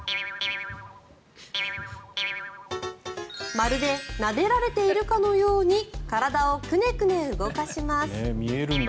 まるでなでられているかのように体をくねくね動かします。